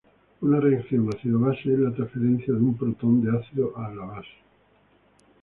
Una reacción ácido-base es la transferencia de un protón del ácido a la base.